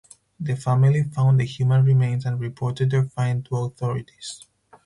The family found the human remains and reported their find to authorities.